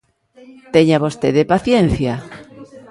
Teña vostede paciencia.